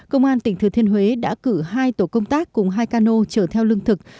công an tỉnh thừa thiên huế đã cử hai tổ công tác cùng hai cano chở theo lương thực